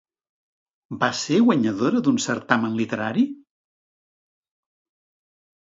Va ser guanyadora d'un certamen literari?